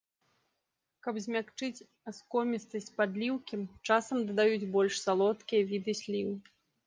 Каб змякчыць аскомістасць падліўкі, часам дадаюць больш салодкія віды сліў.